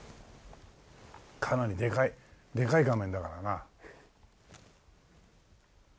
かなりでかいでかい画面だからな。